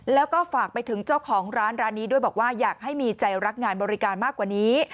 แล้วก็ฝากไปถึงเจ้าของร้านร้านนี้ด้วยบอกว่าอยากให้มีใจรักงานบริการมากกว่านี้